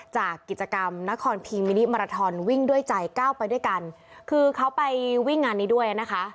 จากกิจกรรมนครพีมินิมาราทอนวิ่งด้วยใจก้าวไปด้วยกันคือเขาไปวิ่งงานนี้ด้วยนะคะ